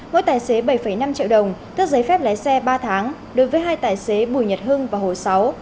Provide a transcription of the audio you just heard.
mỗi tài xế bảy năm triệu đồng tước giấy phép lái xe ba tháng đối với hai tài xế bùi nhật hưng và hồ sáu